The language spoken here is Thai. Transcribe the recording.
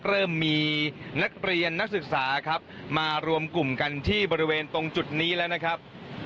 เริ่มมีนักเรียนนักศึกษาครับมารวมกลุ่มกันที่บริเวณตรงจุดนี้แล้วนะครับ